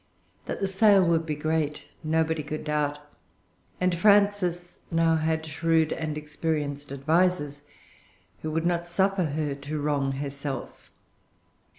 That the sale would be great nobody could doubt; and Frances now had shrewd and experienced advisers, who would not suffer her to wrong herself.